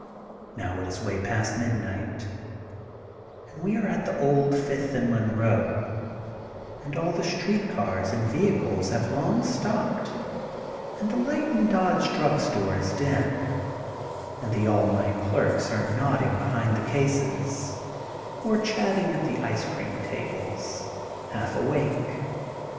'* Now it is way past midnight, 8nd we are at old Fifth and Monroe, and all the street cars and vehicles have long stopped, and the light in Dodds' drug store is dim, and the all night clerks are nodding behind the cases, or chatting at the ice cream tables, half awake.